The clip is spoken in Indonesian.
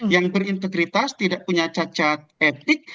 yang berintegritas tidak punya cacat etik